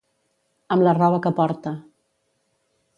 Amb la roba que porta.